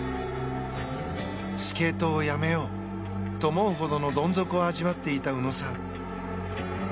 スケートをやめようと思うほどのどん底を味わっていた宇野さん。